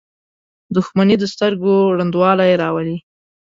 • دښمني د سترګو ړندوالی راولي.